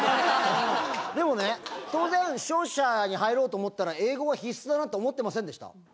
でもね当然商社に入ろうと思ったら英語は必須だなって思ってませんでした？